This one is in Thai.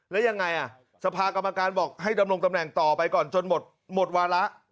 แล้วยังไงสภากรรมการบอกให้ดำรงตำแหน่งต่อไปก่อนจนหมดวาระ